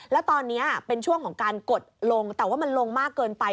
แล้วตอนนี้เป็นช่วงของการกดลงแต่ว่ามันลงมากเกินไป